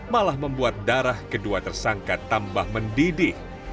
malah membuat darah kedua tersangka tambah mendidih